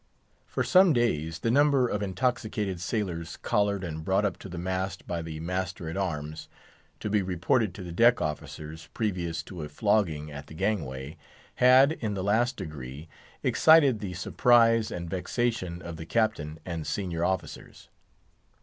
For some days, the number of intoxicated sailors collared and brought up to the mast by the master at arms, to be reported to the deck officers—previous to a flogging at the gangway—had, in the last degree, excited the surprise and vexation of the Captain and senior officers.